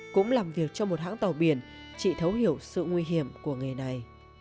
cũng làm việc cho một hãng tàu biển chị thấu hiểu sự nguy hiểm của nghề này